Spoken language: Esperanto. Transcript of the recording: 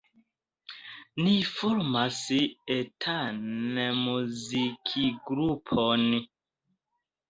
Ni formas etan muzikgrupon.